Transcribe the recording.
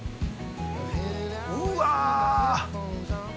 うわ。